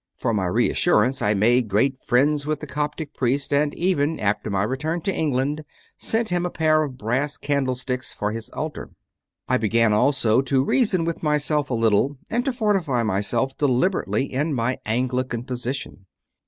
For my re assurance I made great friends with the Coptic priest and even, after my return to England, sent him a pair of brass candlesticks for his altar. I began also to reason with myself a little and to fortify myself deliberately in my Anglican position.